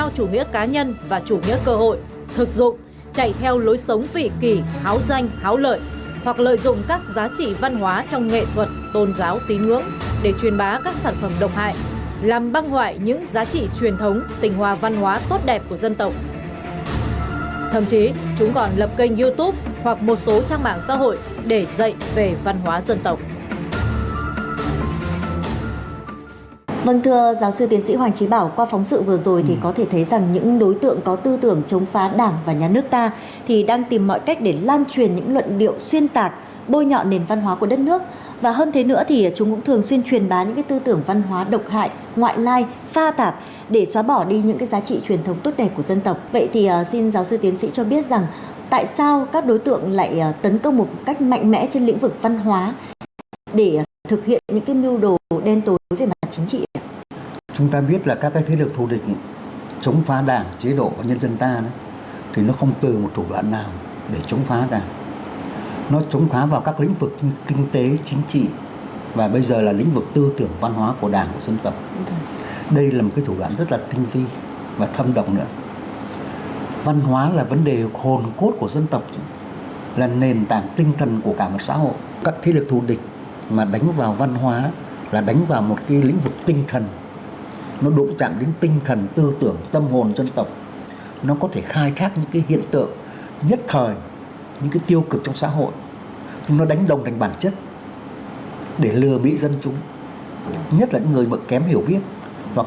chúng đẩy mạnh việc tuyên truyền các giá trị văn hóa phương tây để cao chủ nghĩa cá nhân và chủ nghĩa cơ hội thực dụng chạy theo lối sống vỉ kỳ háo danh háo lợi hoặc lợi dụng các giá trị văn hóa trong nghệ thuật tôn giáo tín ngưỡng để truyền bá các sản phẩm độc hại làm băng hoại những giá trị truyền thống tình hòa văn hóa tốt đẹp của dân tộc